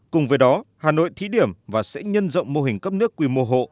cùng với đó hà nội thí điểm và sẽ nhân rộng mô hình cấp nước quy mô hộ